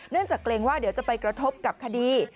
จากเกรงว่าเดี๋ยวจะไปกระทบกับคดี